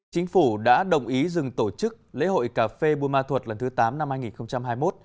chính phủ đã đồng ý dừng tổ chức lễ hội cà phê buôn ma thuột lần thứ tám năm hai nghìn hai mươi một